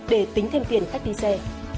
để tính thêm tiền khách đi xe